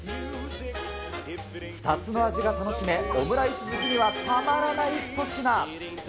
２つの味が楽しめ、オムライス好きにはたまらない一品。